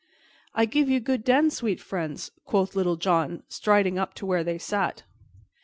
"I give you good den, sweet friends," quoth Little John, striding up to where they sat.